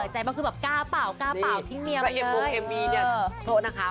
ใจบ้าคือแบบกล้าเป่าทิ้งเมียมาเลย